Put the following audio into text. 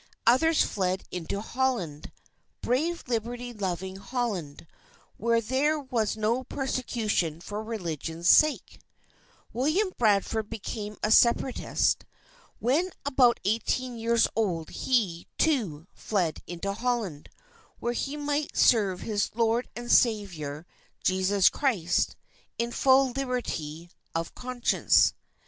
Others fled into Holland brave liberty loving Holland where there was no persecution for religion's sake. William Bradford became a Separatist. When about eighteen years old, he, too, fled into Holland, where he might serve his Lord and Saviour Jesus Christ, in full liberty of conscience.